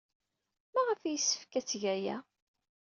Maɣef ay yessefk ad teg aya?